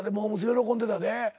喜んでたで。